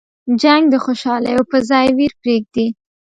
جنګ د خوشحالیو په ځای ویر پرېږدي.